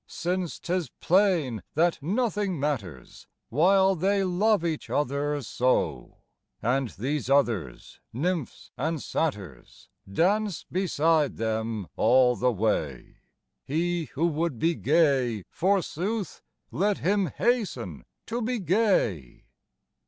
Since 'tis plain that nothing matters While they love each other so ; And these others, nymphs and satyrs, Dance beside them all the way : He who would be gay, forsooth, Let him hasten to be gay.